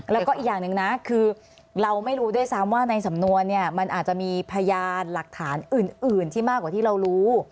แล้วก็อีกอย่างหนึ่งนะคือเราไม่รู้ด้วยซ้ำว่าในสำนวนเนี่ยมันอาจจะมีพยานหลักฐานอื่นที่มากกว่าที่เรารู้